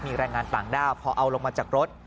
มีแรงงานต่างด้าวพอเอาลงมาจากรถ